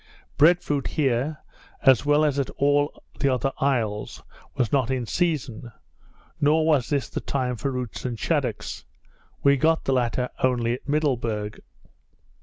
Bread fruit here, as well as at all the other isles, was not in season; nor was this the time for roots and shaddocks. We got the latter only at Middleburg.